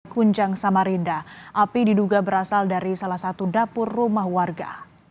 kunjang samarinda api diduga berasal dari salah satu dapur rumah warga